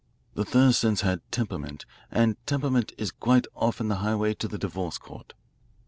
The Thurstons had temperament, and temperament is quite often the highway to the divorce court.